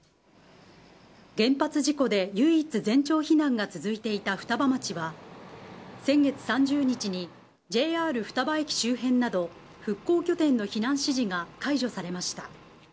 原発事故で唯一、全町避難が続いていた双葉町は、先月３０日にＪＲ双葉駅周辺など、復興拠点の避難指示が解除されました。